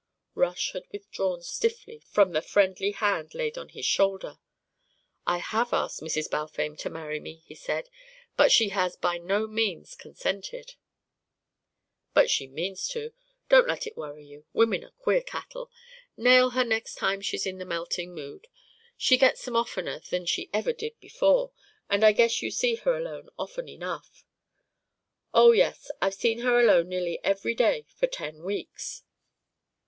Rush had withdrawn stiffly from the friendly hand laid on his shoulder. "I have asked Mrs. Balfame to marry me," he said. "But she has by no means consented." "But she means to. Don't let it worry you. Women are queer cattle. Nail her the next time she's in the melting mood. She gets 'em oftener than she ever did before, and I guess you see her alone often enough." "Oh, yes, I've seen her alone nearly every day for ten weeks."